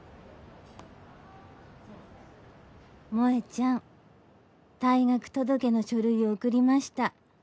「萌ちゃん退学届の書類送りました。